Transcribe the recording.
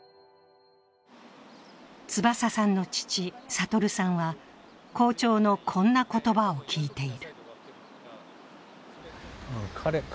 翼さんの父・聡さんは、校長のこんな言葉を聞いている。